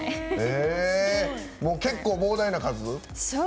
結構、膨大な数？